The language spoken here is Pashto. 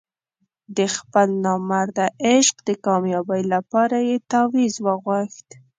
د خپل نامراده عشق د کامیابۍ لپاره یې تاویز وغوښت.